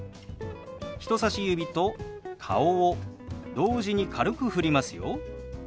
人さし指と顔を同時に軽くふりますよ。